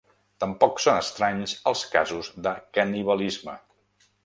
Tampoc són estranys els casos de canibalisme.